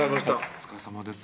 お疲れさまです